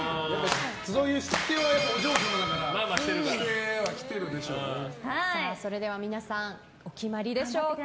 そういうしつけはお嬢様だからそれでは皆さんお決まりでしょうか。